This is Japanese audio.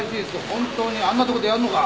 本当にあんな所でやんのか？